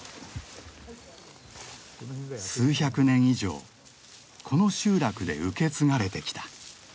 数百年以上この集落で受け継がれてきた。